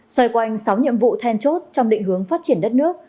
xoay quanh sáu nhiệm vụ then chốt trong định hướng phát triển đất nước